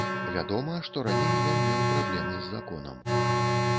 Вядома, што раней ён меў праблемы з законам.